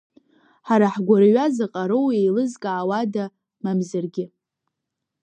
Ҳара ҳгәырҩа заҟароу еилызкаауада мамзаргьы.